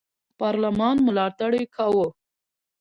پارلمان ملاتړ یې کاوه.